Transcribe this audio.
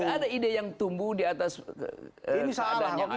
gak ada ide yang tumbuh di atas keadaan yang ada itu